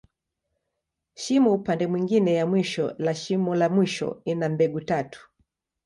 Shimo upande mwingine ya mwisho la shimo la mwisho, ina mbegu tatu.